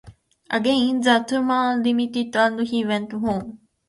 Again, the tumour remitted and he went home.